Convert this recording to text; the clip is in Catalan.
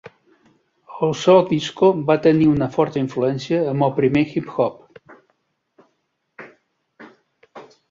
El so disco va tenir una forta influència en el primer hip-hop.